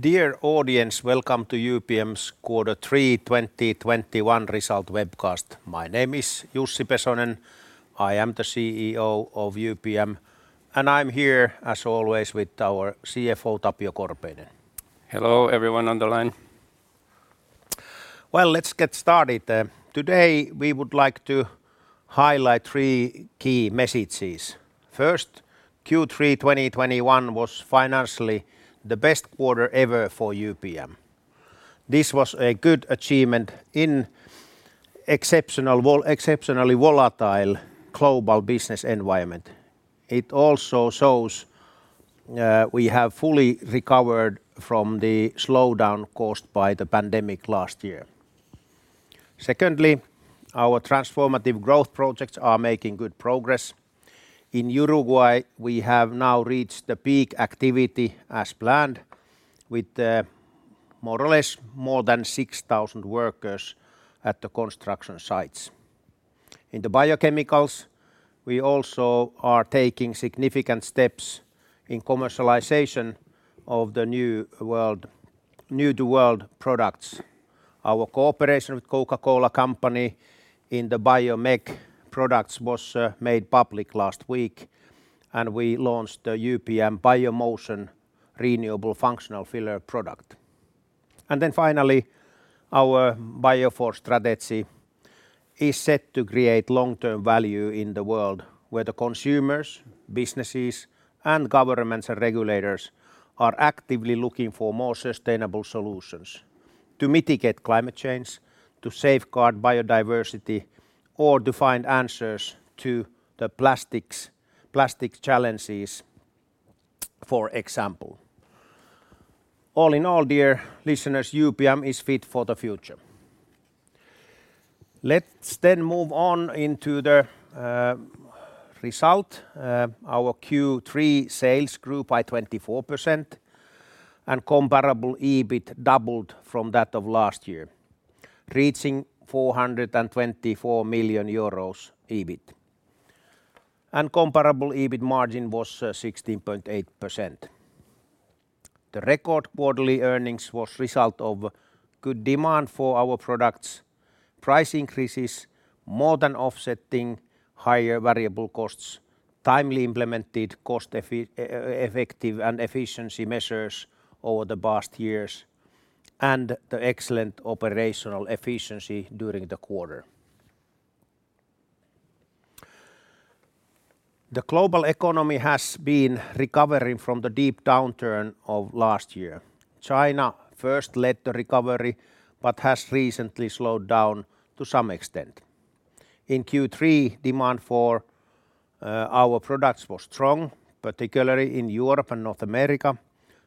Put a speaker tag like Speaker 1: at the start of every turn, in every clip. Speaker 1: Dear audience, welcome to UPM's Quarter Three 2021 Result webcast. My name is Jussi Pesonen. I am the CEO of UPM, and I'm here, as always, with our CFO, Tapio Korpeinen.
Speaker 2: Hello, everyone on the line.
Speaker 1: Well, let's get started. Today, we would like to highlight three key messages. First, Q3 2021 was financially the best quarter ever for UPM. This was a good achievement in exceptionally volatile global business environment. It also shows we have fully recovered from the slowdown caused by the pandemic last year. Secondly, our transformative growth projects are making good progress. In Uruguay, we have now reached the peak activity as planned with more or less more than 6,000 workers at the construction sites. In the biochemicals, we also are taking significant steps in commercialization of the new to world products. Our cooperation with Coca-Cola Company in the BioMEG products was made public last week, and we launched the UPM BioMotion renewable functional filler product. Finally, our Biofore strategy is set to create long-term value in the world where the consumers, businesses, and governments, and regulators are actively looking for more sustainable solutions to mitigate climate change, to safeguard biodiversity, or to find answers to the plastic challenges, for example. All in all, dear listeners, UPM is fit for the future. Let's move on into the result. Our Q3 sales grew by 24%, and comparable EBIT doubled from that of last year, reaching 424 million euros EBIT. Comparable EBIT margin was 16.8%. The record quarterly earnings was result of good demand for our products, price increases more than offsetting higher variable costs, timely implemented cost-effective and efficiency measures over the past years, and the excellent operational efficiency during the quarter. The global economy has been recovering from the deep downturn of last year. China first led the recovery but has recently slowed down to some extent. In Q3, demand for our products was strong, particularly in Europe and North America.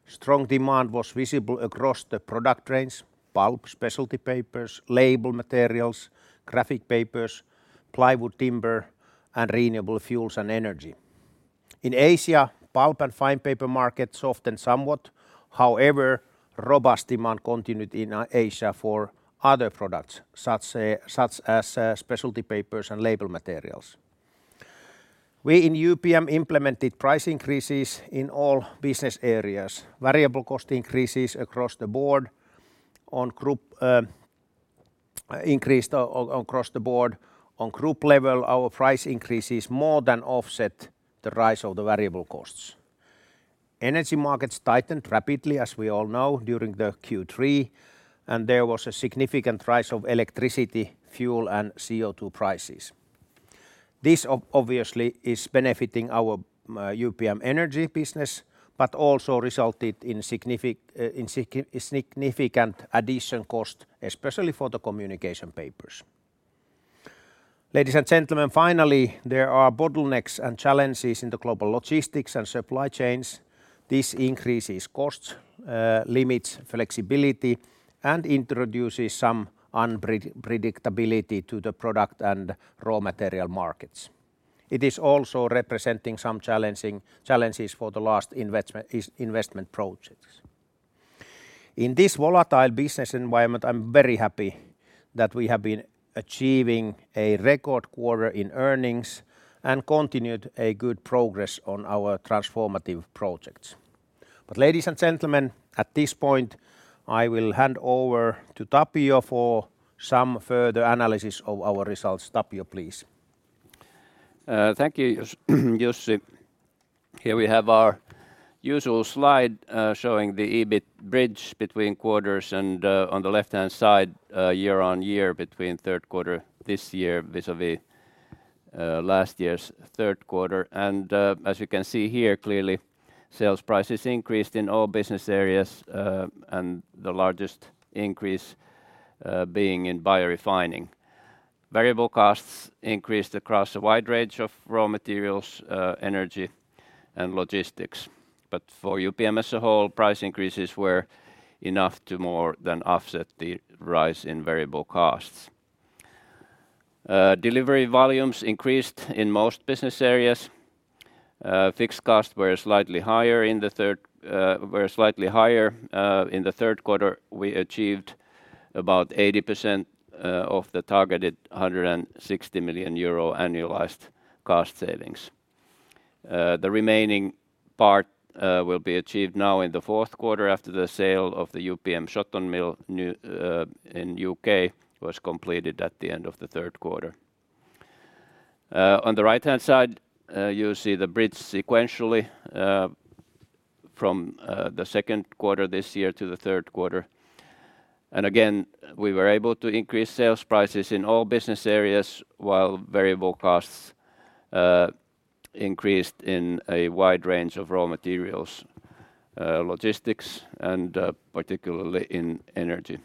Speaker 1: Strong demand was visible across the product range, pulp, specialty papers, label materials, graphic papers, plywood timber, and renewable fuels and energy. In Asia, pulp and fine paper markets softened somewhat. However, robust demand continued in Asia for other products, such as specialty papers and label materials. We in UPM implemented price increases in all business areas. Variable costs increased across the board on group level. On group level, our price increases more than offset the rise of the variable costs. Energy markets tightened rapidly, as we all know, during the Q3, and there was a significant rise of electricity, fuel, and CO2 prices. This obviously is benefiting our UPM energy business but also resulted in significant addition cost, especially for the communication papers. Ladies and gentlemen, finally, there are bottlenecks and challenges in the global logistics and supply chains. This increases costs, limits flexibility, and introduces some predictability to the product and raw material markets. It is also representing some challenges for the last investment projects. In this volatile business environment, I'm very happy that we have been achieving a record quarter in earnings and continued a good progress on our transformative projects. Ladies and gentlemen, at this point, I will hand over to Tapio for some further analysis of our results. Tapio, please.
Speaker 2: Thank you, Jussi. Here we have our usual slide showing the EBIT bridge between quarters and on the left-hand side year-on-year between third quarter this year vis-à-vis last year's third quarter. As you can see here clearly, sales prices increased in all business areas and the largest increase being in Biorefining. Variable costs increased across a wide range of raw materials, energy, and logistics. But for UPM as a whole, price increases were enough to more than offset the rise in variable costs. Delivery volumes increased in most business areas. Fixed costs were slightly higher. In the third quarter, we achieved about 80% of the targeted 160 million euro annualized cost savings. The remaining part will be achieved now in the fourth quarter after the sale of the UPM Shotton mill now in the U.K. was completed at the end of the third quarter. On the right-hand side, you see the bridge sequentially from the second quarter this year to the third quarter. Again, we were able to increase sales prices in all business areas while variable costs increased in a wide range of raw materials, logistics and particularly in energy.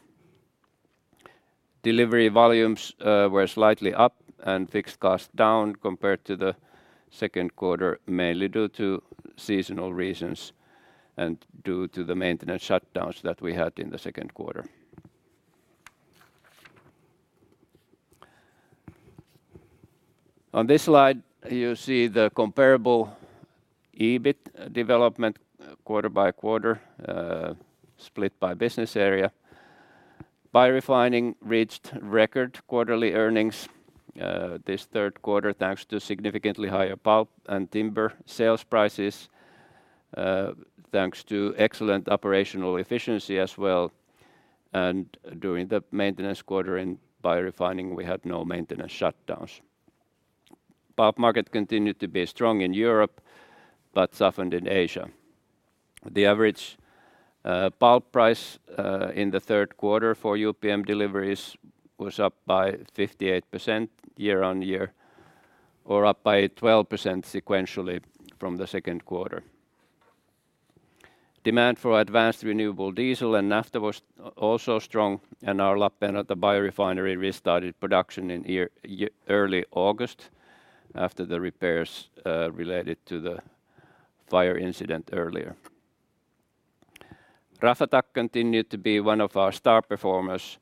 Speaker 2: Delivery volumes were slightly up and fixed costs down compared to the second quarter, mainly due to seasonal reasons and due to the maintenance shutdowns that we had in the second quarter. On this slide, you see the comparable EBIT development quarter by quarter, split by business area. Biorefining reached record quarterly earnings, this third quarter, thanks to significantly higher pulp and timber sales prices, thanks to excellent operational efficiency as well, and during the maintenance quarter in Biorefining, we had no maintenance shutdowns. Pulp market continued to be strong in Europe but softened in Asia. The average, pulp price, in the third quarter for UPM deliveries was up by 58% year-on-year or up by 12% sequentially from the second quarter. Demand for advanced renewable diesel and naphtha was also strong, and our Lappeenranta biorefinery restarted production early August after the repairs, related to the fire incident earlier. Raflatac continued to be one of our star performers.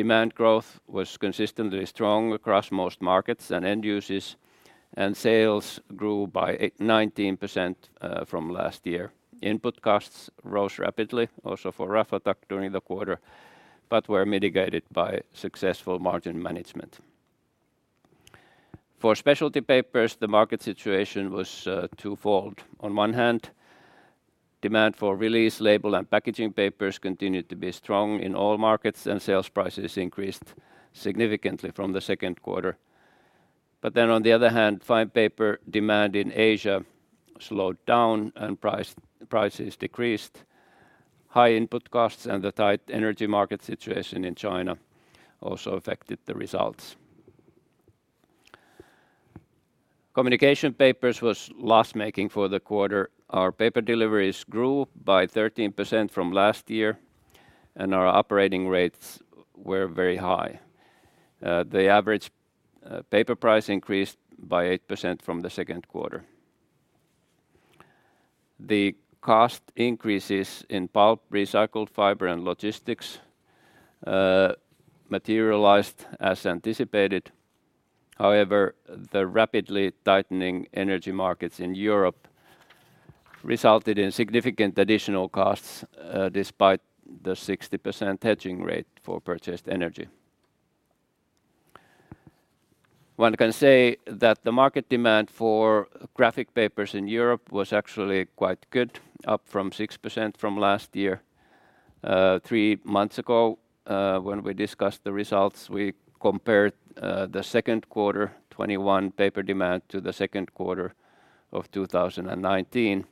Speaker 2: Demand growth was consistently strong across most markets and end uses, and sales grew by 19% from last year. Input costs rose rapidly also for Raflatac during the quarter but were mitigated by successful margin management. For specialty papers, the market situation was twofold. On one hand, demand for release label and packaging papers continued to be strong in all markets, and sales prices increased significantly from the second quarter. On the other hand, fine paper demand in Asia slowed down, and prices decreased. High input costs and the tight energy market situation in China also affected the results. Communication Papers was loss-making for the quarter. Our paper deliveries grew by 13% from last year, and our operating rates were very high. The average paper price increased by 8% from the second quarter. The cost increases in pulp, recycled fiber, and logistics materialized as anticipated. However, the rapidly tightening energy markets in Europe resulted in significant additional costs despite the 60% hedging rate for purchased energy. One can say that the market demand for graphic papers in Europe was actually quite good, up 6% from last year. Three months ago, when we discussed the results, we compared the second quarter 2021 paper demand to the second quarter of 2019.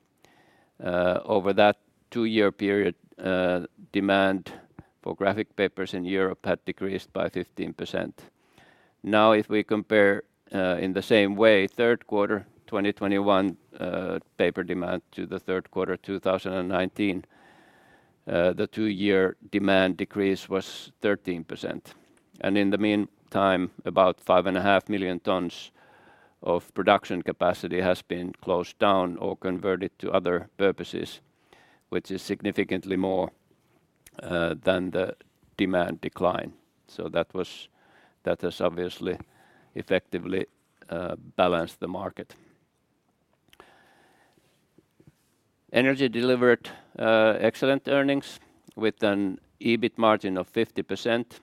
Speaker 2: Over that two-year period, demand for graphic papers in Europe had decreased by 15%. Now, if we compare, in the same way, the third quarter 2021 paper demand to the third quarter of 2019, the two-year demand decrease was 13%. In the meantime, about 5.5 million tons of production capacity has been closed down or converted to other purposes, which is significantly more than the demand decline. That has obviously effectively balanced the market. Energy delivered excellent earnings with an EBIT margin of 50%.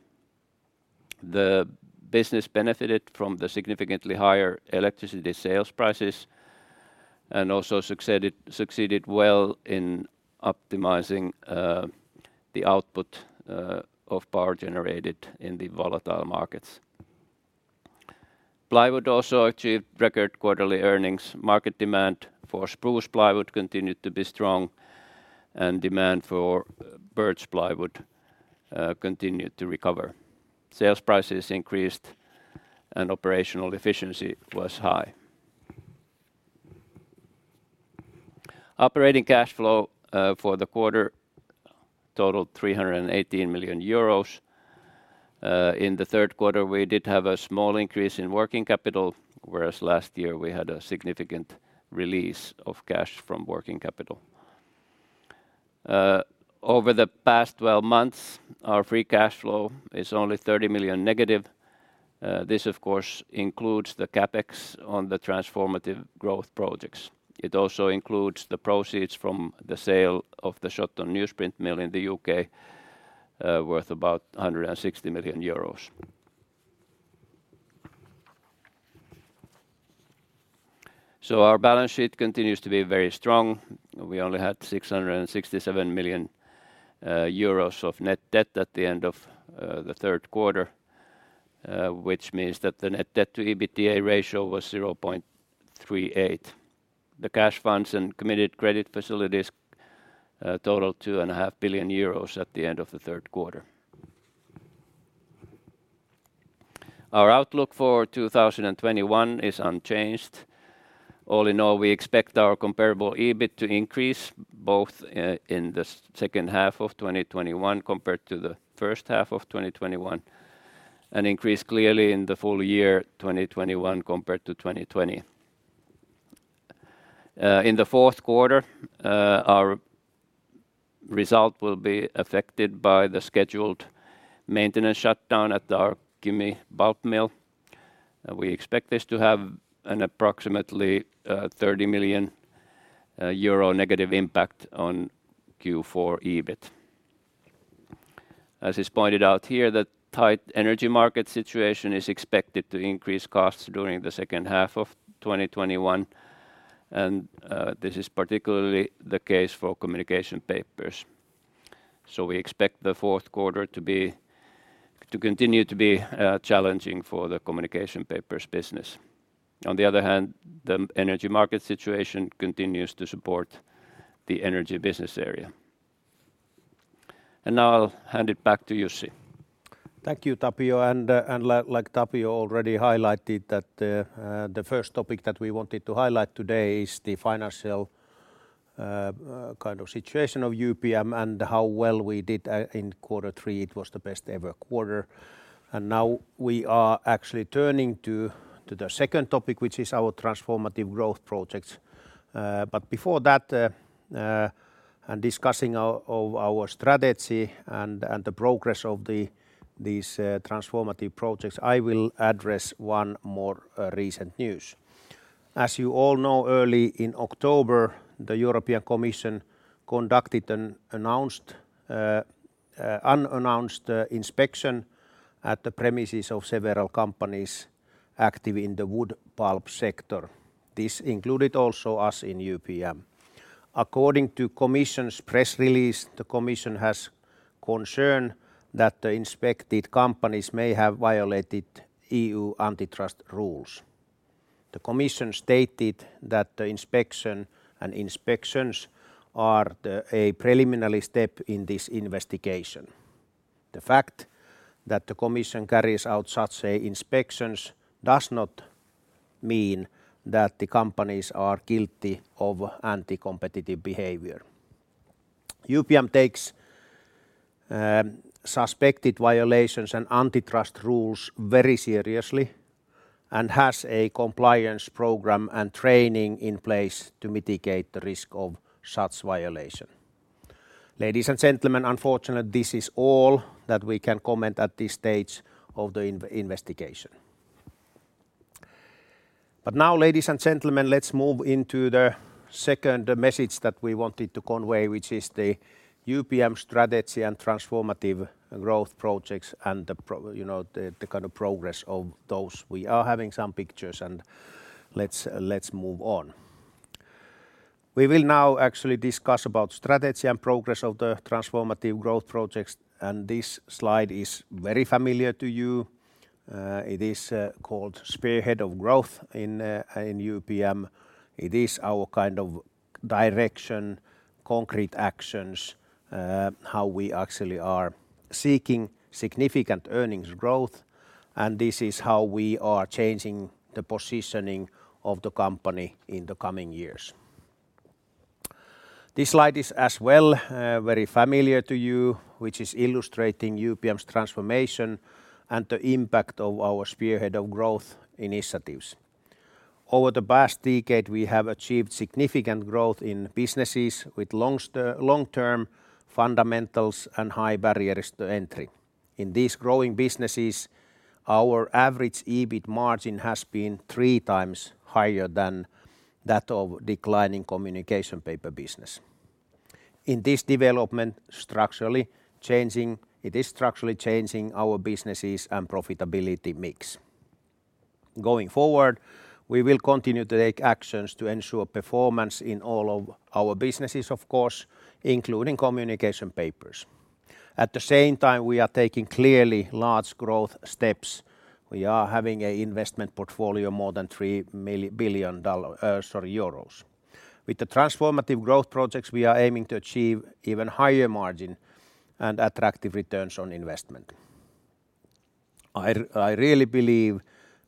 Speaker 2: The business benefited from the significantly higher electricity sales prices and also succeeded well in optimizing the output of power generated in the volatile markets. Plywood also achieved record quarterly earnings. Market demand for spruce plywood continued to be strong, and demand for birch plywood continued to recover. Sales prices increased and operational efficiency was high. Operating cash flow for the quarter totaled 318 million euros. In the third quarter, we did have a small increase in working capital, whereas last year we had a significant release of cash from working capital. Over the past 12 months, our free cash flow is only -30 million. This of course includes the CapEx on the transformative growth projects. It also includes the proceeds from the sale of the UPM Shotton newsprint mill in the U.K., worth about EUR 160 million. Our balance sheet continues to be very strong. We only had 667 million euros of net debt at the end of the third quarter, which means that the net debt to EBITDA ratio was 0.38. The cash funds and committed credit facilities totaled 2.5 billion euros at the end of the third quarter. Our outlook for 2021 is unchanged. All in all, we expect our comparable EBIT to increase both in the second half of 2021 compared to the first half of 2021, and increase clearly in the full year 2021 compared to 2020. In the fourth quarter, our result will be affected by the scheduled maintenance shutdown at our Kymi pulp mill. We expect this to have an approximately 30 million euro negative impact on Q4 EBIT. As is pointed out here, the tight energy market situation is expected to increase costs during the second half of 2021, and this is particularly the case for Communication Papers. We expect the fourth quarter to continue to be challenging for the Communication Papers business. On the other hand, the energy market situation continues to support the energy business area. Now I'll hand it back to Jussi.
Speaker 1: Thank you, Tapio. Like Tapio already highlighted that, the first topic that we wanted to highlight today is the financial kind of situation of UPM and how well we did in quarter three. It was the best ever quarter. Now we are actually turning to the second topic, which is our transformative growth projects. But before that, and discussing our strategy and the progress of these transformative projects, I will address one more recent news. As you all know, early in October, the European Commission conducted an unannounced inspection at the premises of several companies active in the wood pulp sector. This included also us in UPM. According to Commission's press release, the Commission has concern that the inspected companies may have violated EU antitrust rules. The Commission stated that the inspection and inspections are a preliminary step in this investigation. The fact that the Commission carries out such inspections does not mean that the companies are guilty of anti-competitive behavior. UPM takes suspected violations and antitrust rules very seriously and has a compliance program and training in place to mitigate the risk of such violations. Ladies and gentlemen, unfortunately, this is all that we can comment at this stage of the investigation. Now, ladies and gentlemen, let's move into the second message that we wanted to convey, which is the UPM strategy and transformative growth projects and the you know, the kind of progress of those. We are having some pictures, and let's move on. We will now actually discuss about strategy and progress of the transformative growth projects, and this slide is very familiar to you. It is called Spearhead of Growth in UPM. It is our kind of direction, concrete actions, how we actually are seeking significant earnings growth, and this is how we are changing the positioning of the company in the coming years. This slide is as well very familiar to you, which is illustrating UPM's transformation and the impact of our Spearhead of Growth initiatives. Over the past decade, we have achieved significant growth in businesses with long-term fundamentals and high barriers to entry. In these growing businesses, our average EBIT margin has been three times higher than that of declining Communication Papers business. In this development, it is structurally changing our businesses and profitability mix. Going forward, we will continue to take actions to ensure performance in all of our businesses, of course, including Communication Papers. At the same time, we are taking clearly large growth steps. We are having an investment portfolio more than 3 billion euros. With the transformative growth projects, we are aiming to achieve even higher margin and attractive returns on investment. I really believe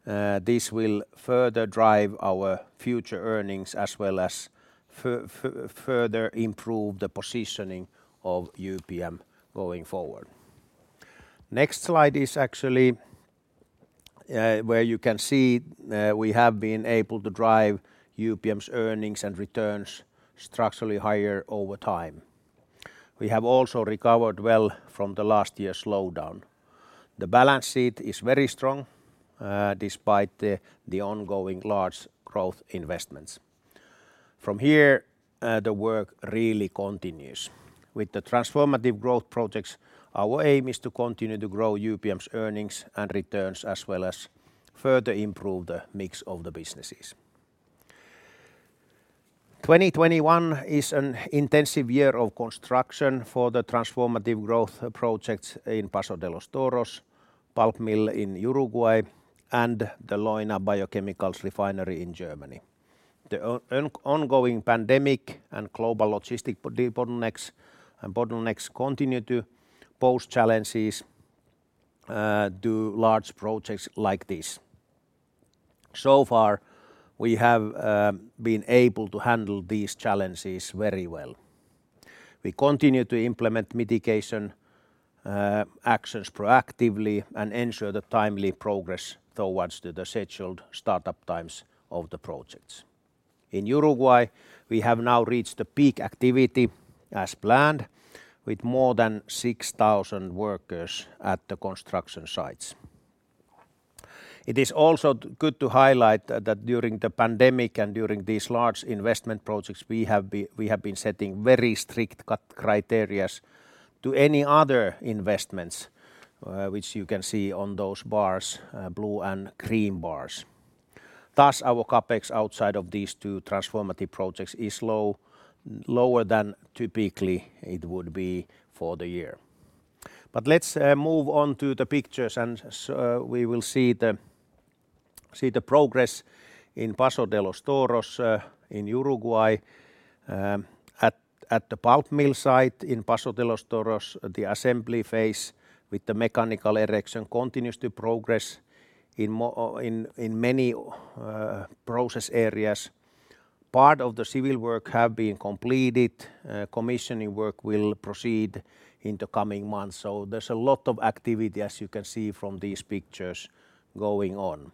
Speaker 1: this will further drive our future earnings as well as further improve the positioning of UPM going forward. Next slide is actually where you can see we have been able to drive UPM's earnings and returns structurally higher over time. We have also recovered well from the last year's slowdown. The balance sheet is very strong despite the ongoing large growth investments. From here, the work really continues. With the transformative growth projects, our aim is to continue to grow UPM's earnings and returns, as well as further improve the mix of the businesses. 2021 is an intensive year of construction for the transformative growth projects in Paso de los Toros pulp mill in Uruguay and the Leuna biochemical refinery in Germany. The ongoing pandemic and global logistic bottlenecks continue to pose challenges to large projects like this. So far, we have been able to handle these challenges very well. We continue to implement mitigation actions proactively and ensure the timely progress towards the scheduled startup times of the projects. In Uruguay, we have now reached the peak activity as planned with more than 6,000 workers at the construction sites. It is also good to highlight that during the pandemic and during these large investment projects we have been setting very strict cut criteria to any other investments, which you can see on those bars, blue and green bars. Thus our CapEx outside of these two transformative projects is low, lower than typically it would be for the year. Let's move on to the pictures, and we will see the progress in Paso de los Toros in Uruguay. At the pulp mill site in Paso de los Toros, the assembly phase with the mechanical erection continues to progress in many process areas. Part of the civil work have been completed. Commissioning work will proceed in the coming months. There's a lot of activity, as you can see from these pictures, going on.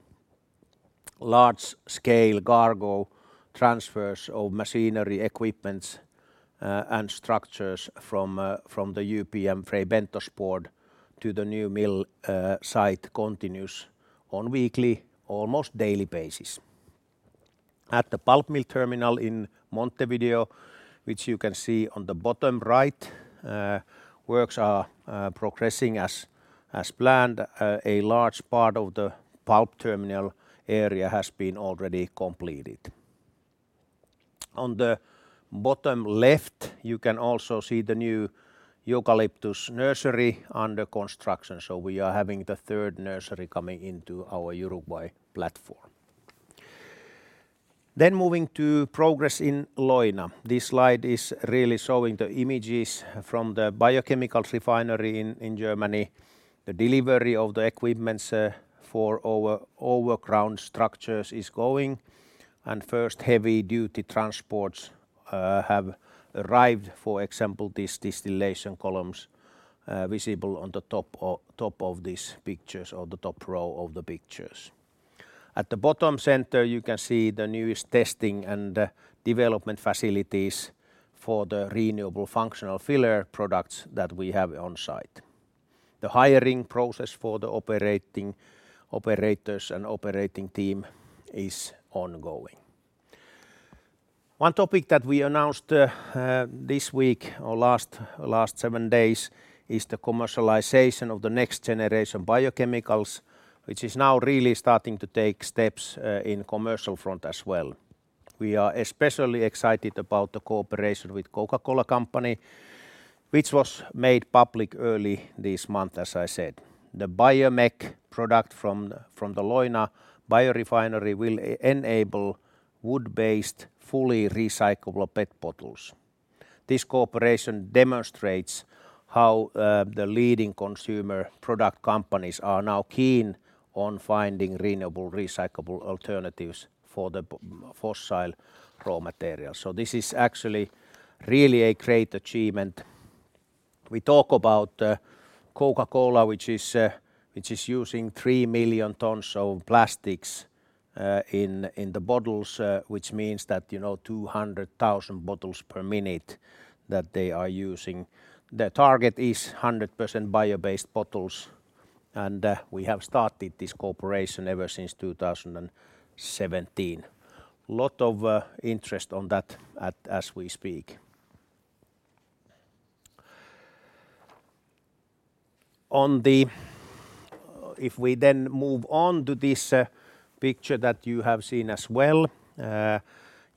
Speaker 1: Large-scale cargo transfers of machinery, equipments, and structures from the UPM Fray Bentos port to the new mill site continues on weekly, almost daily basis. At the pulp mill terminal in Montevideo, which you can see on the bottom right, works are progressing as planned. A large part of the pulp terminal area has been already completed. On the bottom left, you can also see the new eucalyptus nursery under construction. We are having the third nursery coming into our Uruguay platform. Moving to progress in Leuna. This slide is really showing the images from the biochemical refinery in Germany. The delivery of the equipment for our above-ground structures is going, and first heavy-duty transports have arrived. For example, these distillation columns visible on Coca-Cola, which is using three million tons of plastics in the bottles, which means that, you know, 200,000 bottles per minute that they are using. The target is 100% bio-based bottles, and we have started this cooperation ever since 2017. Lot of interest on that as we speak. If we then move on to this picture that you have seen as well,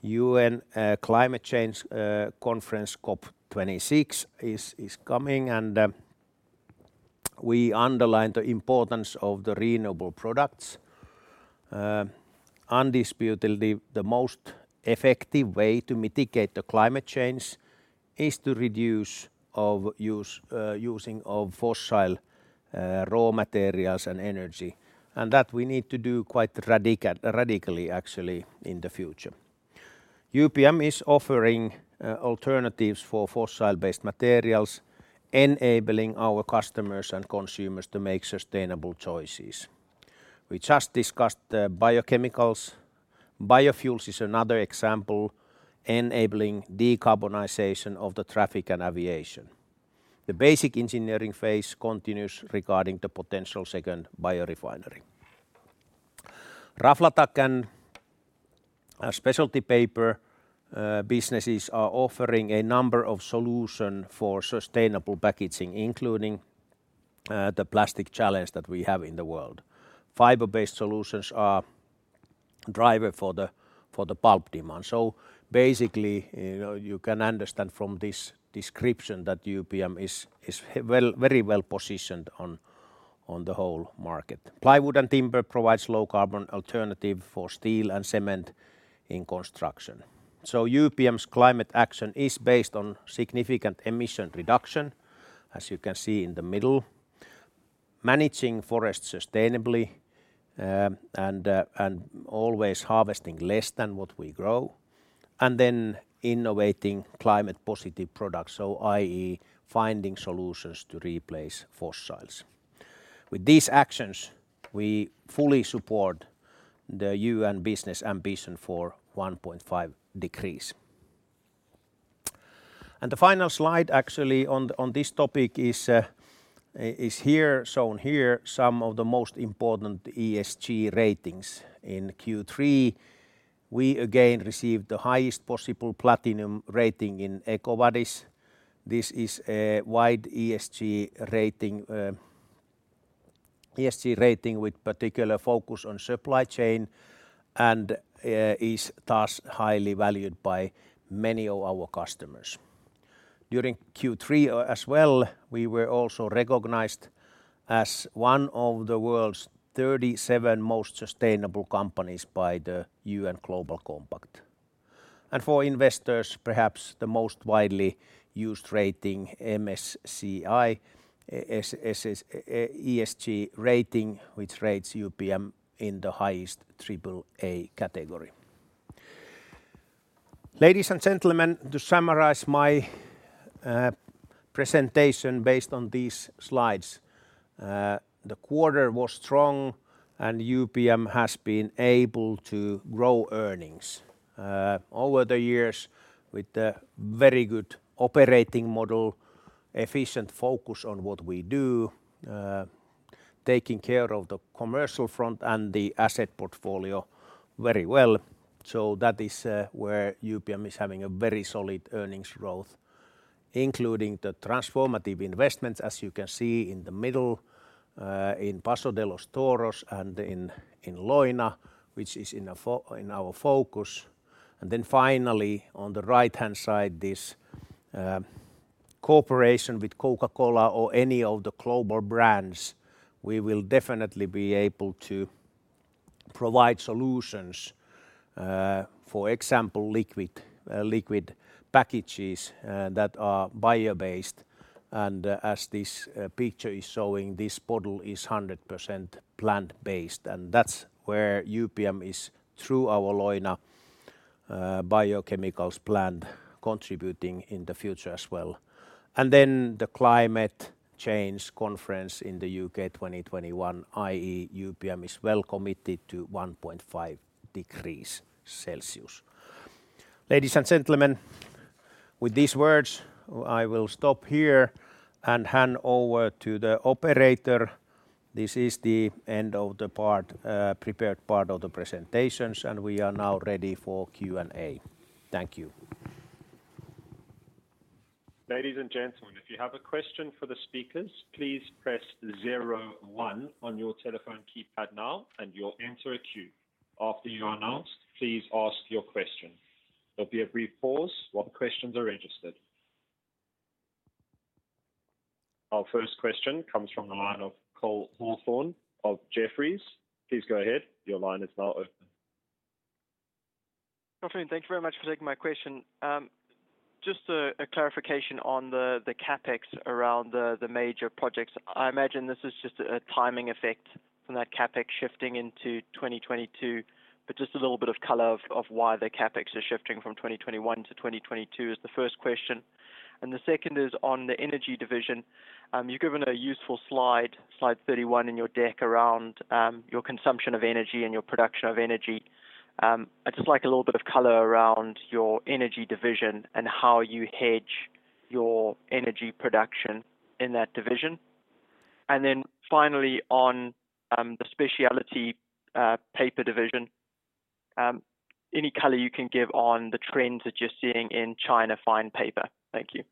Speaker 1: UN Climate Change conference, COP26 is coming and we underline the importance of the renewable products. Undisputedly the most effective way to mitigate the climate change is to reduce the use of fossil raw materials and energy, and that we need to do quite radically, actually, in the future. UPM is offering alternatives for fossil-based materials, enabling our customers and consumers to make sustainable choices. We just discussed biochemicals. Biofuels is another example enabling decarbonization of the traffic and aviation. The basic engineering phase continues regarding the potential second biorefinery. Raflatac and our specialty paper businesses are offering a number of solutions for sustainable packaging, including the plastic challenge that we have in the world. Fiber-based solutions are a driver for the pulp demand. Basically, you know, you can understand from this description that UPM is very well positioned on the whole market. Plywood and timber provide low-carbon alternatives for steel and cement in construction. UPM's climate action is based on significant emission reductions, as you can see in the middle. Managing forests sustainably and always harvesting less than what we grow, and then innovating climate-positive products, i.e., finding solutions to replace fossils. With these actions, we fully support the UN Business Ambition for 1.5 degrees. The final slide actually on this topic is shown here, some of the most important ESG ratings. In Q3, we again received the highest possible platinum rating in EcoVadis. This is a wide ESG rating with particular focus on supply chain and is thus highly valued by many of our customers. During Q3 as well, we were also recognized as one of the world's 37 most sustainable companies by the United Nations Global Compact. For investors, perhaps the most widely used rating, MSCI ESG rating, which rates UPM in the highest triple A category. Ladies and gentlemen, to summarize my presentation based on these slides, the quarter was strong and UPM has been able to grow earnings over the years with the very good operating model, efficient focus on what we do, taking care of the commercial front and the asset portfolio very well. That is where UPM is having a very solid earnings growth, including the transformative investments, as you can see in the middle, in Paso de los Toros and in Leuna, which is in our focus. Finally, on the right-hand side, this cooperation with Coca-Cola or any of the global brands, we will definitely be able to provide solutions. For example, liquid packages that are bio-based. As this picture is showing, this bottle is 100% plant-based, and that's where UPM is, through our Leuna biochemicals plant, contributing in the future as well. The Climate Change Conference in the U.K. 2021, i.e. UPM is well committed to 1.5 degrees Celsius. Ladies and gentlemen, with these words, I will stop here and hand over to the operator. This is the end of the prepared part of the presentations, and we are now ready for Q&A. Thank you.
Speaker 3: Ladies and gentlemen, if you have a question for the speakers, please press zero one on your telephone keypad now and you'll enter a queue. After you are announced, please ask your question. There'll be a brief pause while the questions are registered. Our first question comes from the line of Cole Hathorn of Jefferies. Please go ahead. Your line is now open.
Speaker 4: Jussi, thank you very much for taking my question. Just a clarification on the CapEx around the major projects. I imagine this is just a timing effect from that CapEx shifting into 2022, but just a little bit of color on why the CapEx is shifting from 2021 to 2022 is the first question. The second is on the energy division. You've given a useful slide 31 in your deck around your consumption of energy and your production of energy. I'd just like a little bit of color around your energy division and how you hedge your energy production in that division. Finally, on the specialty paper division, any color you can give on the trends that you're seeing in China fine paper. Thank you.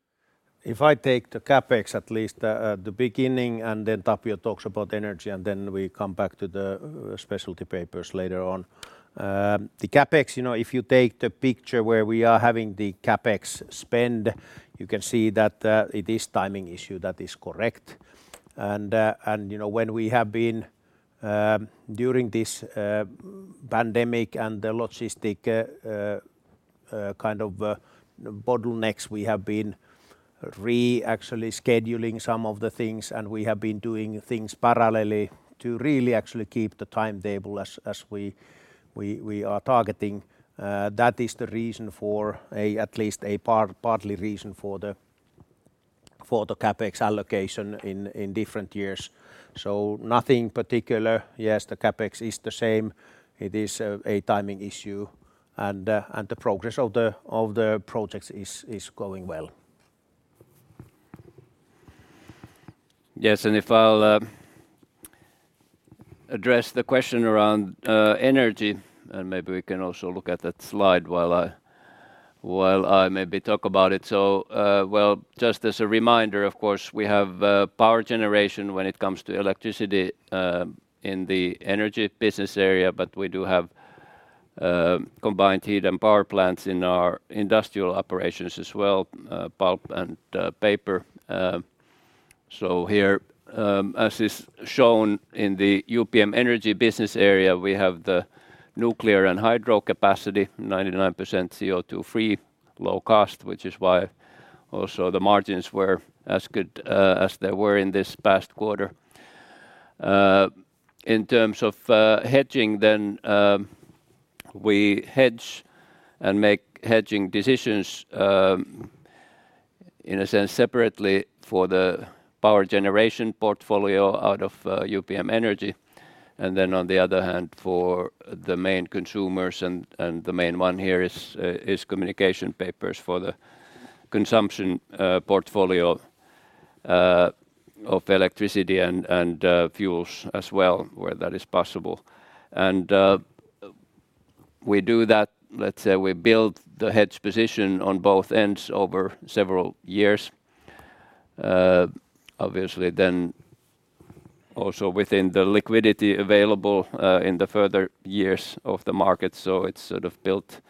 Speaker 1: If I take the CapEx at least at the beginning, and then Tapio talks about energy, and then we come back to the specialty papers later on. The CapEx, you know, if you take the picture where we are having the CapEx spend, you can see that it is timing issue. That is correct. You know, when we have been during this pandemic and the logistics kind of bottlenecks, we have been actually scheduling some of the things, and we have been doing things parallelly to really actually keep the timetable as we are targeting. That is the reason for at least a partial reason for the CapEx allocation in different years. Nothing particular. Yes, the CapEx is the same. It is a timing issue, and the progress of the projects is going well.
Speaker 2: Yes, if I'll address the question around energy, and maybe we can also look at that slide while I maybe talk about it. Well, just as a reminder, of course, we have power generation when it comes to electricity in the energy business area, but we do have combined heat and power plants in our industrial operations as well, pulp and paper. Here, as is shown in the UPM Energy business area, we have the nuclear and hydro capacity, 99% CO2 free, low cost, which is why also the margins were as good as they were in this past quarter. In terms of hedging then, we hedge and make hedging decisions in a sense separately for the power generation portfolio out of UPM Energy. On the other hand, for the main consumers and the main one here is Communication Papers for the consumption portfolio of electricity and fuels as well, where that is possible. We do that. Let's say we build the hedge position on both ends over several years. Obviously, also within the liquidity available in the further years of the market. It's sort of built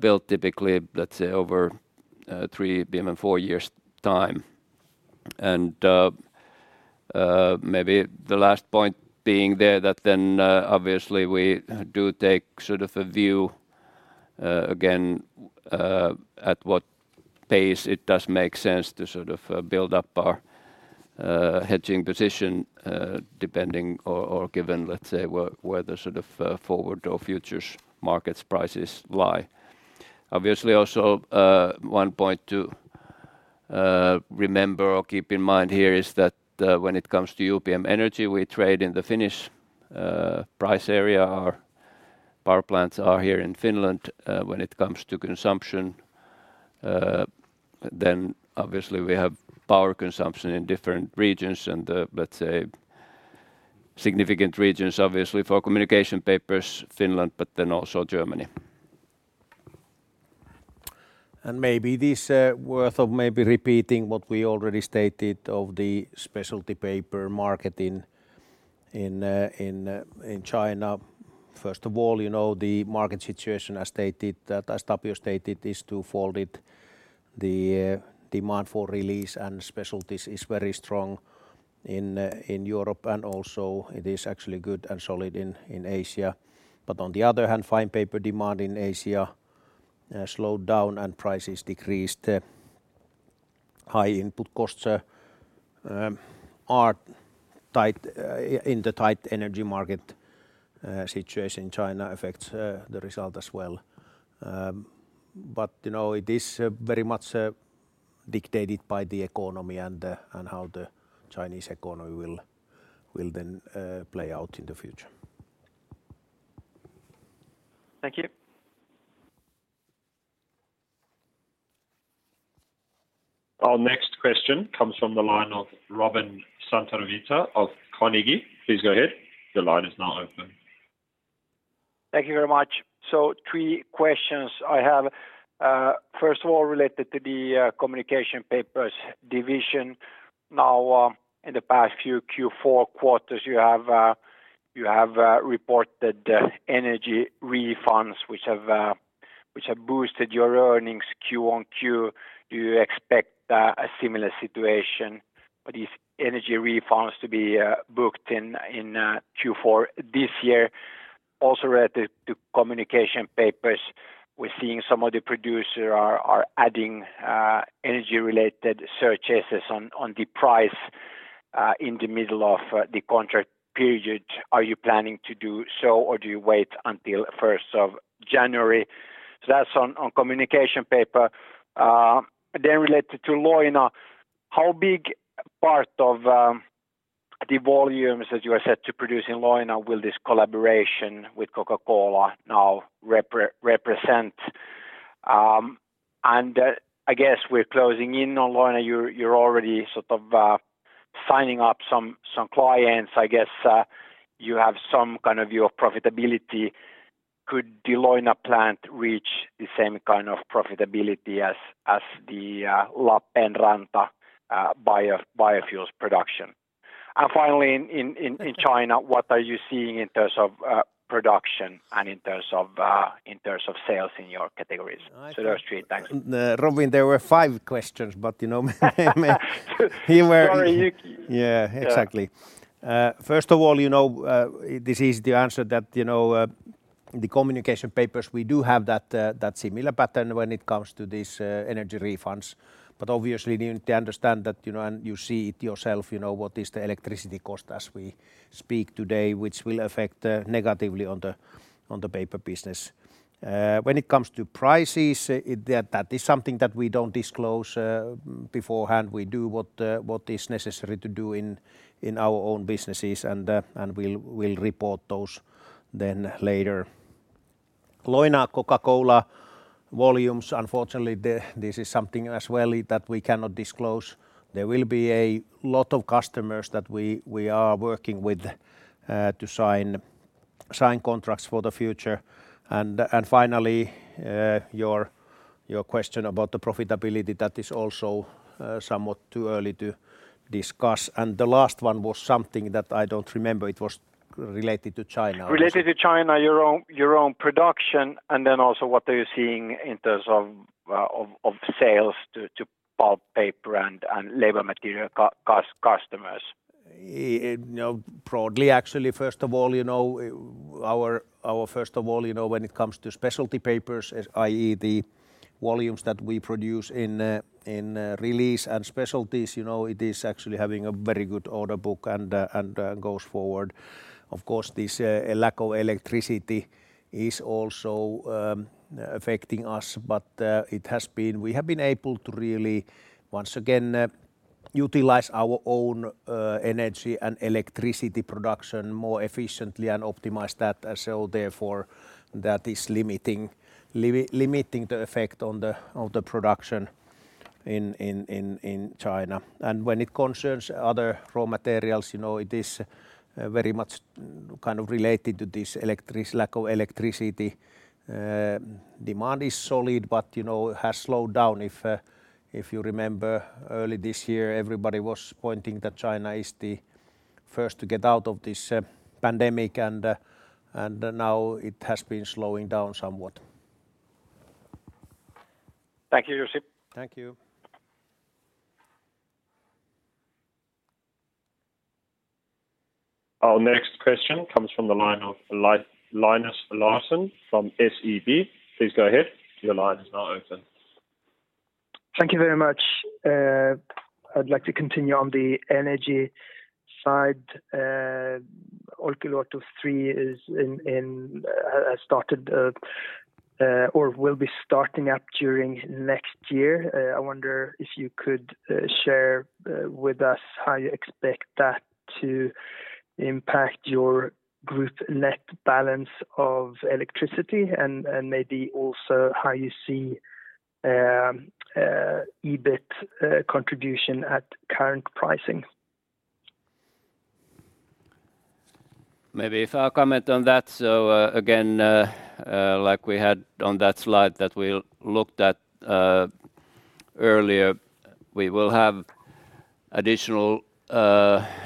Speaker 2: built typically, let's say, over three, even four years' time. Maybe the last point being there that obviously we do take sort of a view again at what pace it does make sense to sort of build up our hedging position depending or given, let's say, where the sort of forward or futures markets prices lie. Obviously, also, one point to remember or keep in mind here is that, when it comes to UPM Energy, we trade in the Finnish price area. Our power plants are here in Finland. When it comes to consumption, then obviously we have power consumption in different regions and, let's say significant regions obviously for Communication Papers, Finland, but then also Germany.
Speaker 1: Maybe it's worth repeating what we already stated about the specialty paper market in China. First of all, you know, the market situation, as stated, as Tapio stated, is twofold. The demand for release and specialties is very strong in Europe, and also it is actually good and solid in Asia. But on the other hand, fine paper demand in Asia slowed down and prices decreased. High input costs are tight in the tight energy market situation. China affects the result as well. But you know, it is very much dictated by the economy and how the Chinese economy will then play out in the future.
Speaker 4: Thank you.
Speaker 3: Our next question comes from the line of Robin Santavirta of Carnegie. Please go ahead. The line is now open.
Speaker 5: Thank you very much. Three questions I have. First of all, related to the communication papers division. Now, in the past few Q4 quarters, you have reported energy refunds which have boosted your earnings Q on Q. Do you expect a similar situation for these energy refunds to be booked in Q4 this year? Also related to communication papers, we're seeing some of the producers are adding energy-related surcharges on the price in the middle of the contract period. Are you planning to do so, or do you wait until first of January? That's on communication paper. Then related to Leuna, how big part of the volumes, as you have said, to produce in Leuna will this collaboration with Coca-Cola now represent? I guess we're closing in on Leuna. You're already sort of signing up some clients. I guess you have some kind of view of profitability. Could the Leuna plant reach the same kind of profitability as the Lappeenranta biofuels production? Finally, in China, what are you seeing in terms of production and in terms of sales in your categories? So those three. Thanks.
Speaker 1: Robin, there were five questions, but you know me.
Speaker 5: Sorry, Jussi.
Speaker 1: Yeah, exactly. First of all, you know, this is the answer that, you know, Communication Papers, we do have that similar pattern when it comes to this, energy refunds. Obviously, they understand that, you know, and you see it yourself, you know, what is the electricity cost as we speak today, which will affect negatively on the paper business. When it comes to prices, that is something that we don't disclose beforehand. We do what is necessary to do in our own businesses, and we'll report those then later. Leuna Coca-Cola volumes, unfortunately, this is something as well that we cannot disclose. There will be a lot of customers that we are working with to sign contracts for the future. Finally, your question about the profitability, that is also somewhat too early to discuss. The last one was something that I don't remember, it was related to China.
Speaker 5: Related to China, your own production, and then also what are you seeing in terms of sales to pulp, paper, and label material customers?
Speaker 1: You know, broadly, actually, first of all, when it comes to specialty papers, i.e., the volumes that we produce in Raflatac and specialties, you know, it is actually having a very good order book and goes forward. Of course, this lack of electricity is also affecting us, but we have been able to really, once again, utilize our own energy and electricity production more efficiently and optimize that. Therefore, that is limiting the effect on the production in China. When it concerns other raw materials, you know, it is very much kind of related to this lack of electricity. Demand is solid, but you know, has slowed down. If you remember early this year, everybody was pointing that China is the first to get out of this pandemic and now it has been slowing down somewhat.
Speaker 5: Thank you, Jussi.
Speaker 1: Thank you.
Speaker 3: Our next question comes from the line of Linus Larsson from SEB. Please go ahead. Your line is now open.
Speaker 6: Thank you very much. I'd like to continue on the energy side. Olkiluoto 3 has started or will be starting up during next year. I wonder if you could share with us how you expect that to impact your group net balance of electricity and maybe also how you see EBIT contribution at current pricing.
Speaker 2: Maybe if I'll comment on that. Again, like we had on that slide that we looked at earlier, we will have additional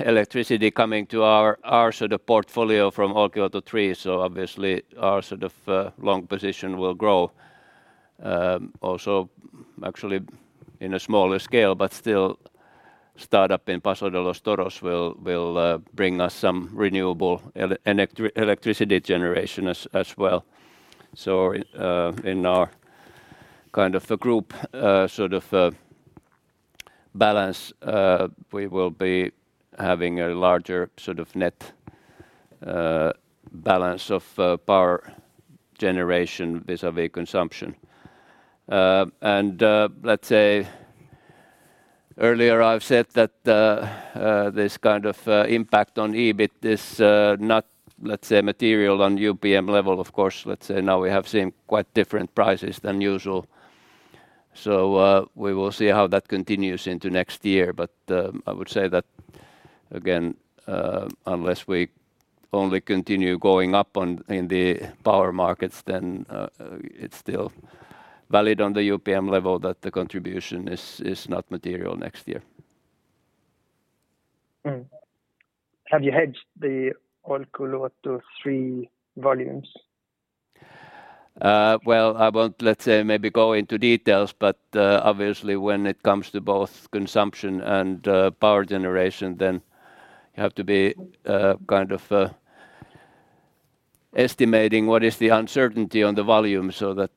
Speaker 2: electricity coming to our sort of portfolio from Olkiluoto 3, so obviously our sort of long position will grow. Also actually in a smaller scale, but still startup in Paso de los Toros will bring us some renewable electricity generation as well. In our kind of a group sort of balance, we will be having a larger sort of net balance of power generation vis-à-vis consumption. Let's say earlier I've said that this kind of impact on EBIT is not, let's say, material on UPM level, of course. Let's say now we have seen quite different prices than usual. We will see how that continues into next year. I would say that again, unless we only continue going up in the power markets then, it's still valid on the UPM level that the contribution is not material next year.
Speaker 6: Have you hedged the Olkiluoto 3 volumes?
Speaker 2: Well, I won't, let's say, maybe go into details, but obviously when it comes to both consumption and power generation, then you have to be kind of estimating what is the uncertainty on the volume so that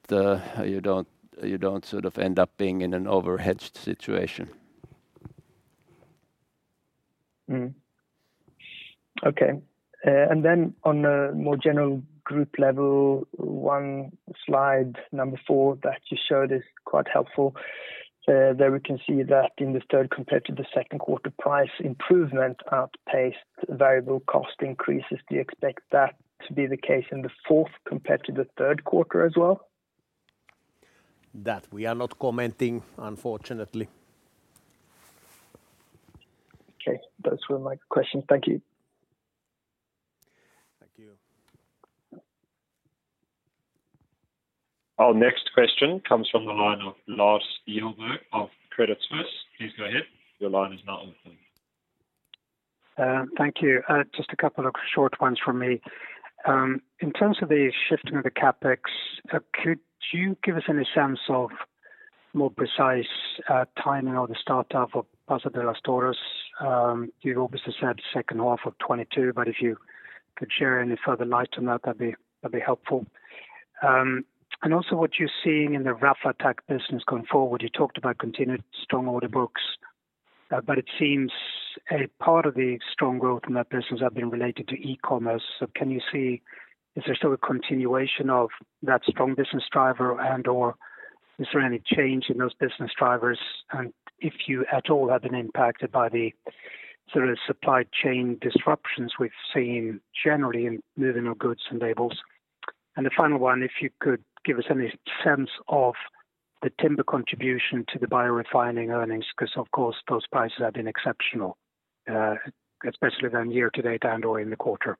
Speaker 2: you don't sort of end up being in an over-hedged situation.
Speaker 6: On a more general group level, one slide number four that you showed is quite helpful. There we can see that in the third compared to the second quarter, price improvement outpaced variable cost increases. Do you expect that to be the case in the fourth compared to the third quarter as well?
Speaker 2: That we are not commenting, unfortunately.
Speaker 6: Okay. Those were my questions. Thank you.
Speaker 2: Thank you.
Speaker 3: Our next question comes from the line of Lars Kjellberg of Credit Suisse. Please go ahead. Your line is now open.
Speaker 7: Thank you. Just a couple of short ones from me. In terms of the shifting of the CapEx, could you give us any sense of more precise timing of the startup of Paso de los Toros? You've obviously said second half of 2022, but if you could share any further light on that'd be helpful. Also what you're seeing in the Raflatac business going forward. You talked about continued strong order books, but it seems a part of the strong growth in that business have been related to e-commerce. Can you see, is there still a continuation of that strong business driver and/or is there any change in those business drivers? If you at all have been impacted by the supply chain disruptions we've seen generally in moving of goods and labels. The final one, if you could give us any sense of the timber contribution to the Biorefining earnings because, of course, those prices have been exceptional, especially then year-to-date and or in the quarter.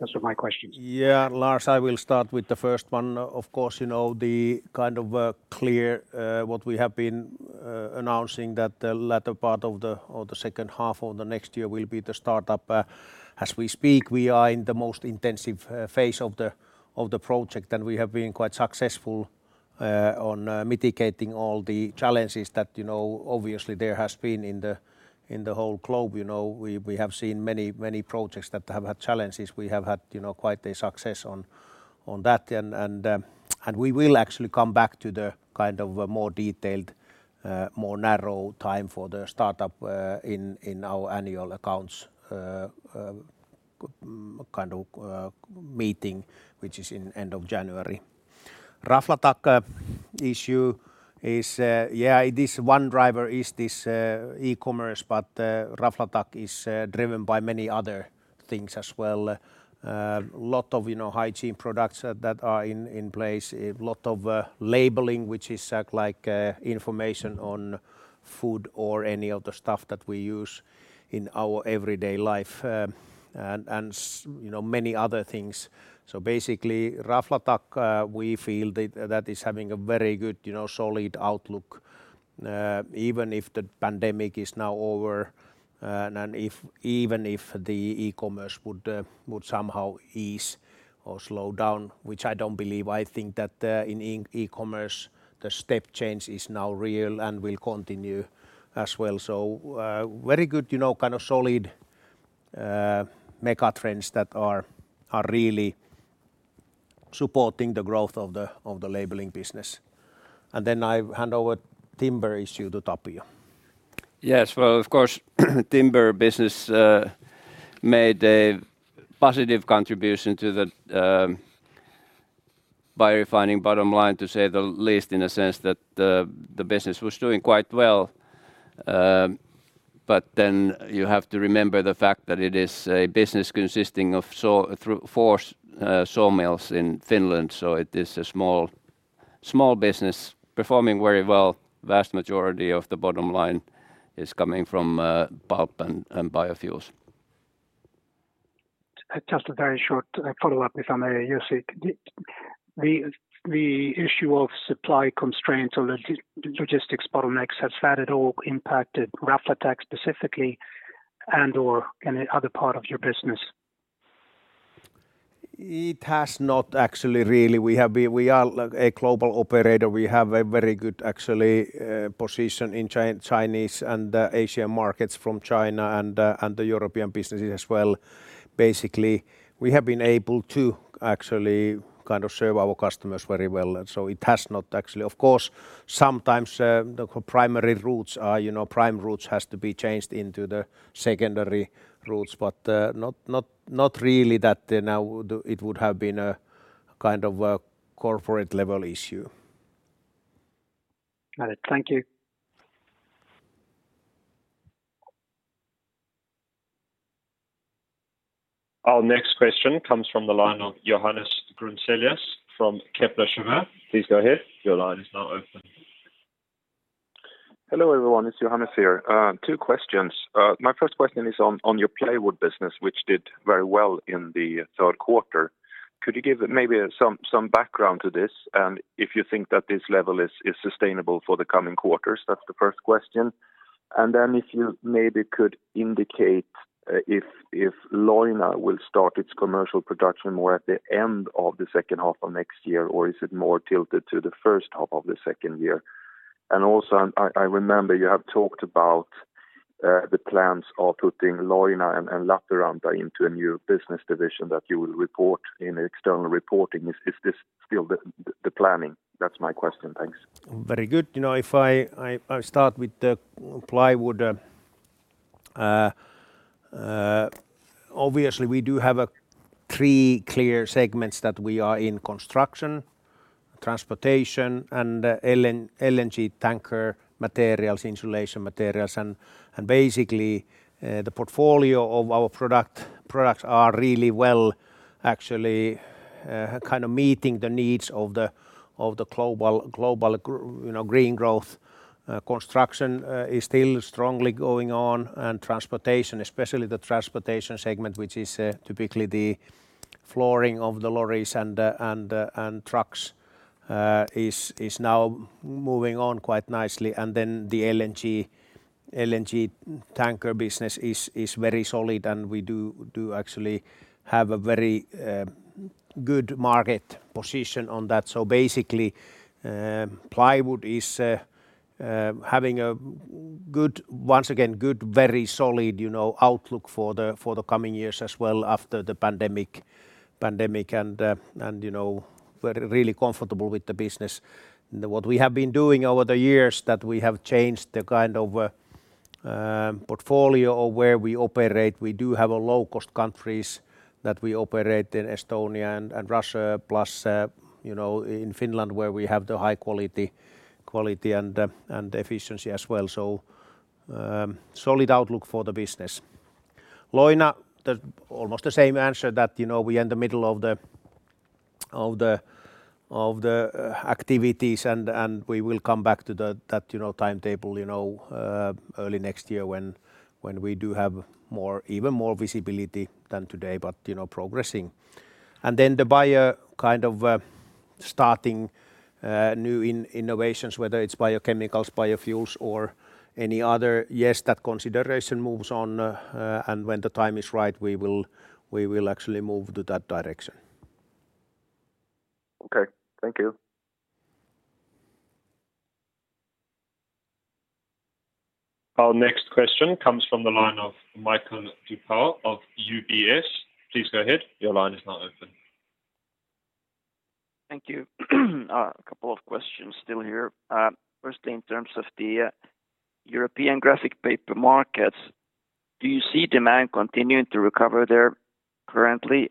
Speaker 7: Those are my questions.
Speaker 1: Yeah, Lars, I will start with the first one. Of course, you know, it's kind of clear what we have been announcing that the latter part of the year or the second half of the next year will be the startup. As we speak, we are in the most intensive phase of the project, and we have been quite successful in mitigating all the challenges that, you know, obviously there has been in the whole globe. You know, we have seen many projects that have had challenges. We have had, you know, quite a success in that. We will actually come back to the kind of a more detailed, more narrow time for the startup in our annual accounts kind of meeting, which is in end of January. Raflatac issue is, yeah, this one driver is this e-commerce, but Raflatac is driven by many other things as well. A lot of, you know, hygiene products that are in place. A lot of labeling, which acts like information on food or any of the stuff that we use in our everyday life, and you know, many other things. Basically Raflatac, we feel that is having a very good, you know, solid outlook, even if the pandemic is now over, and even if the e-commerce would somehow ease or slow down, which I don't believe. I think that, in e-commerce, the step change is now real and will continue as well. Very good, you know, kind of solid, mega trends that are really supporting the growth of the labeling business. Then I hand over timber issue to Tapio.
Speaker 2: Yes. Well, of course, timber business made a positive contribution to the Biorefining bottom line, to say the least, in a sense that the business was doing quite well. You have to remember the fact that it is a business consisting of four sawmills in Finland, so it is a small business performing very well. Vast majority of the bottom line is coming from pulp and biofuels.
Speaker 7: Just a very short follow-up if I may, Jussi. The issue of supply constraints or logistics bottlenecks, has that at all impacted Raflatac specifically and or any other part of your business?
Speaker 1: It has not actually really. We are a global operator. We have a very good, actually, position in Chinese and Asian markets from China and the European businesses as well. Basically, we have been able to actually kind of serve our customers very well. It has not actually. Of course, sometimes the primary routes, you know, prime routes has to be changed into the secondary routes, but not really that now it would have been a kind of a corporate level issue.
Speaker 7: Got it. Thank you.
Speaker 3: Our next question comes from the line of Johannes Grunselius from Kepler Cheuvreux. Please go ahead. Your line is now open.
Speaker 8: Hello, everyone. It's Johannes here, two questions. My first question is on your plywood business, which did very well in the third quarter. Could you give maybe some background to this and if you think that this level is sustainable for the coming quarters? That's the first question. Then if you maybe could indicate if Leuna will start its commercial production more at the end of the second half of next year or is it more tilted to the first half of the second year? Also, I remember you have talked about the plans of putting Leuna and Lappeenranta into a new business division that you will report in external reporting. Is this still the planning? That's my question. Thanks.
Speaker 1: Very good. You know, if I start with the plywood. Obviously we do have three clear segments that we are in construction, transportation, and LNG tanker materials, insulation materials. Basically, the portfolio of our products are really well actually kind of meeting the needs of the global you know green growth. Construction is still strongly going on. Transportation, especially the transportation segment which is typically the flooring of the lorries and trucks, is now moving on quite nicely. The LNG tanker business is very solid and we do actually have a very good market position on that. Basically, plywood is having a good once again, good, very solid, you know, outlook for the coming years as well after the pandemic and, you know, we're really comfortable with the business. What we have been doing over the years that we have changed the kind of portfolio of where we operate. We do have a low-cost countries that we operate in Estonia and Russia plus, you know, in Finland where we have the high quality and efficiency as well. Solid outlook for the business. Leuna, almost the same answer that, you know, we are in the middle of the activities and we will come back to that timetable early next year when we do have even more visibility than today but, you know, progressing. Then the buyer kind of starting new innovations, whether it's biochemicals, biofuels or any other. Yes, that consideration moves on, and when the time is right, we will actually move to that direction.
Speaker 8: Okay. Thank you.
Speaker 3: Our next question comes from the line of Mikael Doepel of UBS. Please go ahead. Your line is now open.
Speaker 9: Thank you. A couple of questions still here. First, in terms of the European graphic paper markets, do you see demand continuing to recover there currently?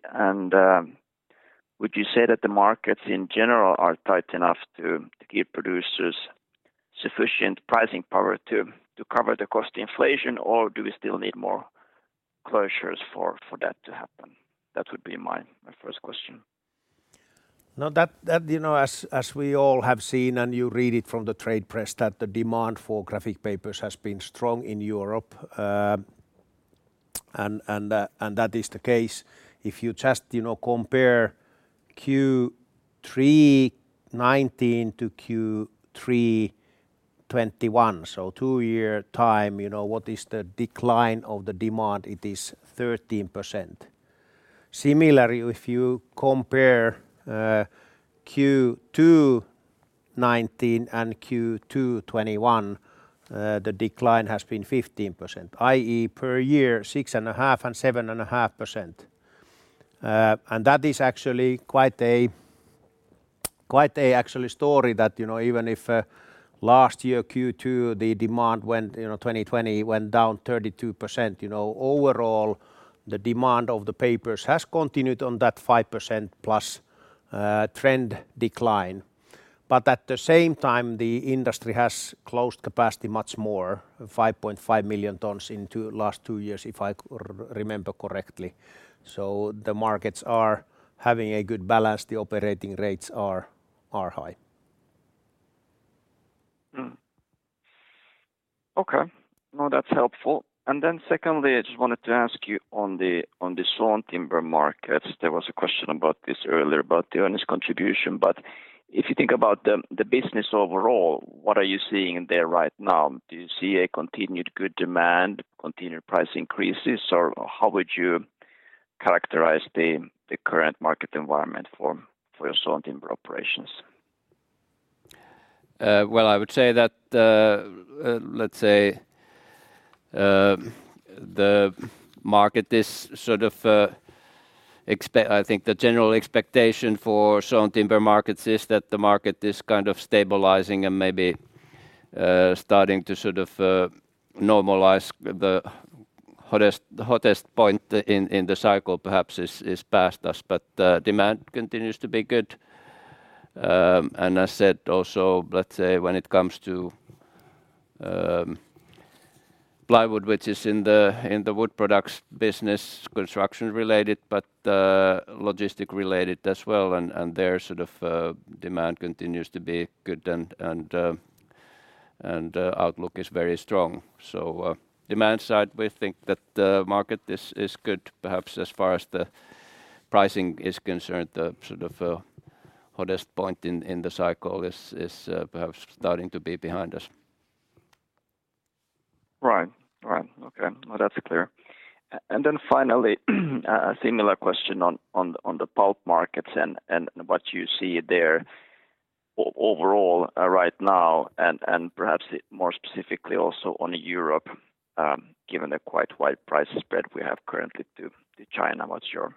Speaker 9: Would you say that the markets in general are tight enough to give producers sufficient pricing power to cover the cost inflation, or do we still need more closures for that to happen? That would be my first question.
Speaker 1: No, that you know as we all have seen and you read it from the trade press that the demand for graphic papers has been strong in Europe. That is the case. If you just you know compare Q3 2019 to Q3 2021 so two-year time you know what is the decline of the demand it is 13%. Similarly if you compare Q2 2019 and Q2 2021 the decline has been 15% i.e. per year 6.5% and 7.5%. That is actually quite a actually story that you know even if last year Q2 the demand went you know 2020 went down 32%. You know overall the demand of the papers has continued on that 5%+ trend decline. At the same time, the industry has closed capacity much more, 5.5 million tons in the last two years, if I remember correctly. The markets are having a good balance. The operating rates are high.
Speaker 9: Okay. No, that's helpful. Secondly, I just wanted to ask you on the sawn timber markets. There was a question about this earlier about the earnings contribution. If you think about the business overall, what are you seeing there right now? Do you see a continued good demand, continued price increases, or how would you characterize the current market environment for your sawn timber operations?
Speaker 2: Well, I would say that, let's say, I think the general expectation for sawn timber markets is that the market is kind of stabilizing and maybe starting to sort of normalize the hottest point in the cycle perhaps is past us. Demand continues to be good. I said also, let's say when it comes to plywood, which is in the wood products business, construction-related, but logistics-related as well, and outlook is very strong. Demand side, we think that the market is good perhaps as far as the pricing is concerned. The sort of hottest point in the cycle is perhaps starting to be behind us.
Speaker 9: Right. Right. Okay. No, that's clear. Then finally, a similar question on the pulp markets and what you see there overall right now and perhaps more specifically also on Europe, given the quite wide price spread we have currently to China. What's your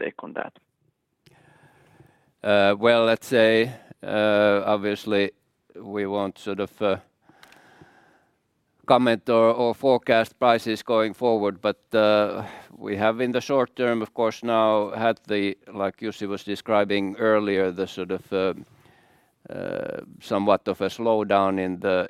Speaker 9: take on that?
Speaker 2: Well, let's say, obviously we won't sort of comment or forecast prices going forward, but we have in the short term, of course now had the, like Jussi was describing earlier, the sort of somewhat of a slowdown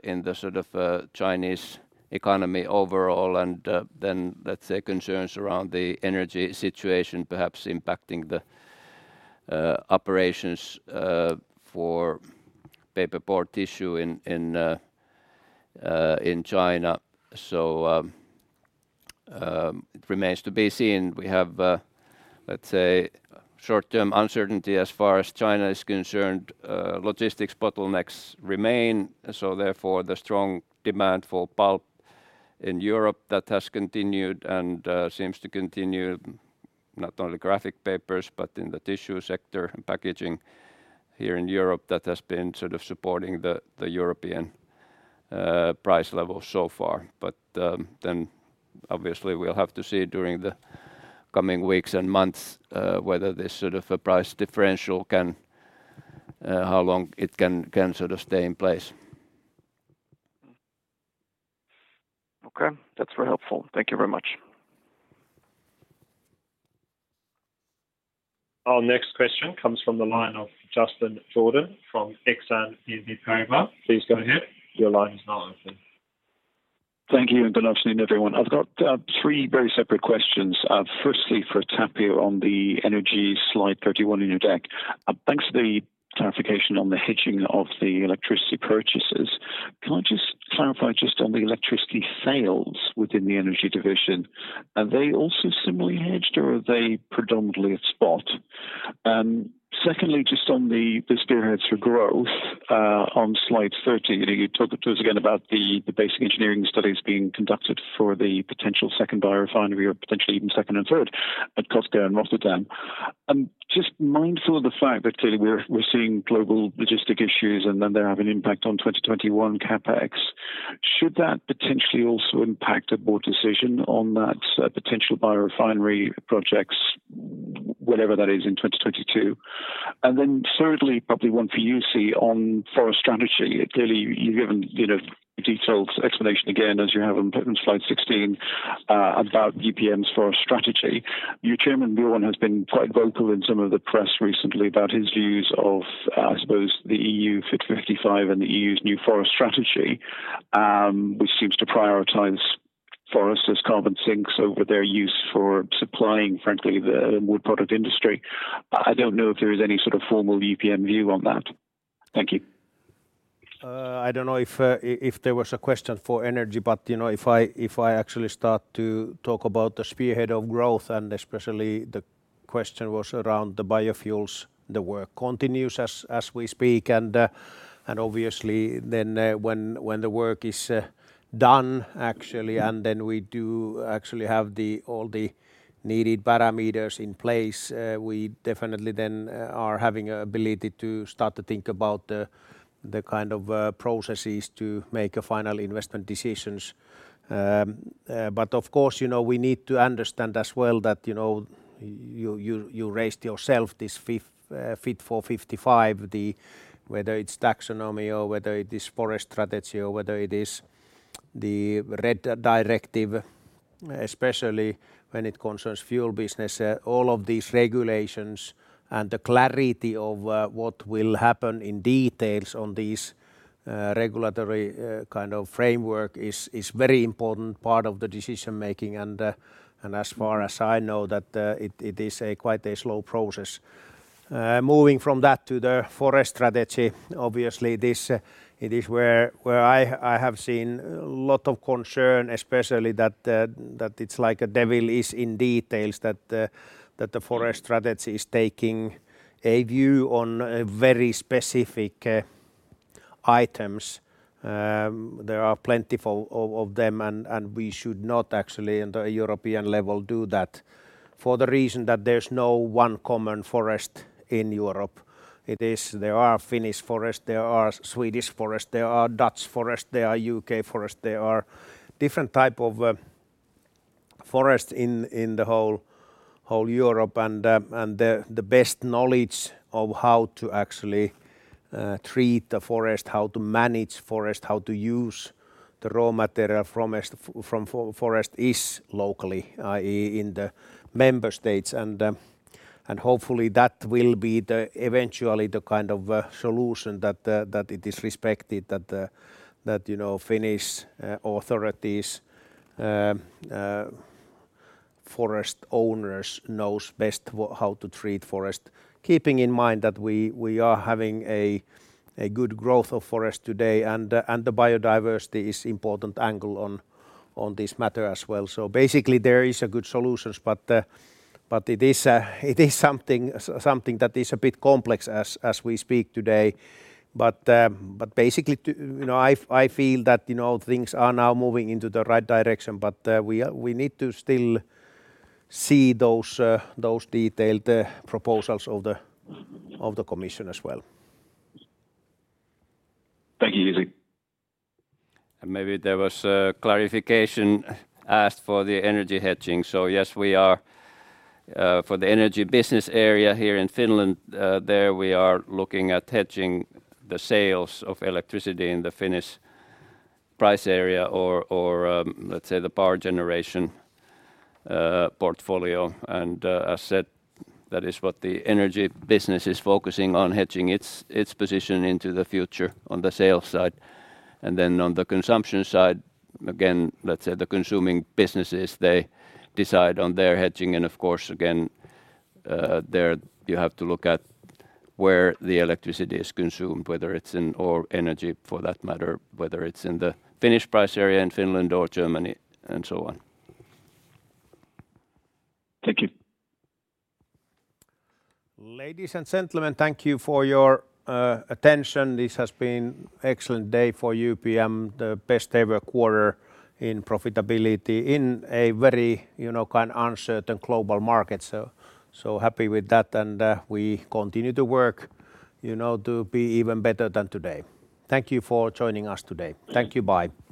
Speaker 2: in the sort of Chinese economy overall and then let's say concerns around the energy situation perhaps impacting the operations for paper, board, tissue in China. It remains to be seen. We have, let's say short-term uncertainty as far as China is concerned. Logistics bottlenecks remain. Therefore, the strong demand for pulp in Europe that has continued and seems to continue not only graphic papers but in the tissue sector and packaging here in Europe that has been sort of supporting the European price level so far. Obviously, we'll have to see during the coming weeks and months whether this sort of a price differential can, how long it can sort of stay in place.
Speaker 9: Okay. That's very helpful. Thank you very much.
Speaker 3: Our next question comes from the line of Justin Jordan from Exane BNP Paribas. Please go ahead. Your line is now open.
Speaker 10: Thank you, and good afternoon, everyone. I've got three very separate questions. Firstly, for Tapio on the energy slide 31 in your deck. Thanks for the clarification on the hedging of the electricity purchases. Can I just clarify just on the electricity sales within the energy division? Are they also similarly hedged, or are they predominantly at spot? Secondly, just on the spearheads for growth on slide 30, you know, you talked to us again about the basic engineering studies being conducted for the potential second biorefinery or potentially even second and third at Kotka and Rotterdam. Just mindful of the fact that clearly we're seeing global logistics issues and then they're having impact on 2021 CapEx. Should that potentially also impact a board decision on that potential biorefinery projects, whatever that is, in 2022? Thirdly, probably one for you, Jussi, on forest strategy. Clearly you've given, you know, detailed explanation again, as you have on slide 16, about UPM's forest strategy. Your chairman, Björn, has been quite vocal in some of the press recently about his views of, I suppose, the EU Fit for 55 and the EU's new forest strategy, which seems to prioritize forests as carbon sinks over their use for supplying, frankly, the wood product industry. I don't know if there is any sort of formal UPM view on that. Thank you.
Speaker 1: I don't know if there was a question for energy, but you know, if I actually start to talk about the Spearhead of Growth, and especially the question was around the biofuels, the work continues as we speak. Obviously then, when the work is done actually, and then we do actually have all the needed parameters in place, we definitely then are having ability to start to think about the kind of processes to make a final investment decisions. But of course, you know, we need to understand as well that, you know, you raised yourself this Fit for 55, whether it's taxonomy or whether it is forest strategy or whether it is the RED directive, especially when it concerns fuel business. All of these regulations and the clarity of what will happen in details on these regulatory kind of framework is very important part of the decision-making. As far as I know, it is quite a slow process. Moving from that to the forest strategy, obviously this it is where I have seen a lot of concern, especially that it's like the devil is in the details that the forest strategy is taking a view on a very specific items. There are plenty of them, and we should not actually at a European level do that for the reason that there's no one common forest in Europe. There are Finnish forest, there are Swedish forest, there are Dutch forest, there are U.K. forest. There are different type of forest in the whole Europe and the best knowledge of how to actually treat the forest, how to manage forest, how to use the raw material from forest is locally, i.e., in the member states. Hopefully that will be eventually the kind of solution that it is respected, that you know, Finnish authorities forest owners knows best how to treat forest, keeping in mind that we are having a good growth of forest today and the biodiversity is important angle on this matter as well. Basically there is a good solutions, but it is something that is a bit complex as we speak today. Basically, you know, I feel that, you know, things are now moving into the right direction, but we need to still see those detailed proposals of the commission as well.
Speaker 10: Thank you, Jussi.
Speaker 2: Maybe there was a clarification asked for the energy hedging. Yes, we are for the energy business area here in Finland, there we are looking at hedging the sales of electricity in the Finnish price area or let's say the power generation portfolio. As said, that is what the energy business is focusing on hedging its position into the future on the sales side. On the consumption side, again, let's say the consuming businesses, they decide on their hedging and of course, again, there you have to look at where the electricity is consumed, whether it's in the Finnish price area in Finland or Germany and so on.
Speaker 10: Thank you.
Speaker 1: Ladies and gentlemen, thank you for your attention. This has been excellent day for UPM, the best ever quarter in profitability in a very kind of uncertain global market. Happy with that, and we continue to work, you know, to be even better than today. Thank you for joining us today. Thank you. Bye.